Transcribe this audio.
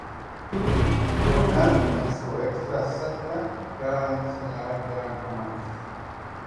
Juvenal, en su sexta sátira, claramente señala que eran amantes.